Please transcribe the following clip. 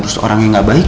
terus orang yang gak baik